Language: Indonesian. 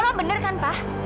mama bener kan pak